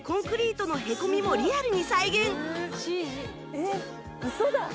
「えっウソだ」